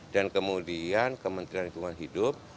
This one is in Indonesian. dan kemudian kementerian lingkungan hidup